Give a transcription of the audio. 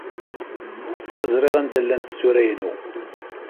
Ur ẓriɣ anda ay llant tsura-inu.